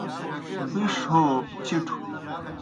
بِݜ ہو چِٹھوْ